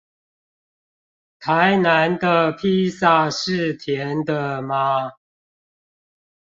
台南的披薩是甜的嗎？